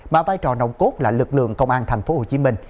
mà vai trò nồng cốt là lực lượng công an tp hcm